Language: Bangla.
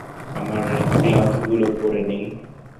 আমার গ্লাভসগুলো পরে নেই।